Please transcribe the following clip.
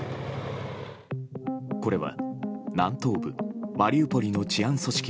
これは、南東部マリウポリの治安組織